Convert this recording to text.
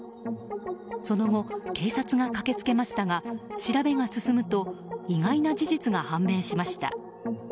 その後、警察が駆け付けましたが調べが進むと意外な事実判明しました。